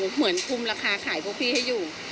เหมือนกุมราคาขายพวกพี่ให้อยู่